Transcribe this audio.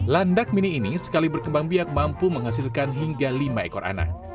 landak mini ini sekali berkembang biak mampu menghasilkan hingga lima ekor anak